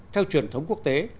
theo truyền thống quốc tế